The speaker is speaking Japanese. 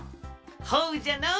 ほうじゃのう！